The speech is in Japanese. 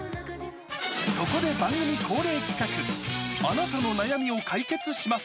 そこで番組恒例企画、あなたの悩みを解決します！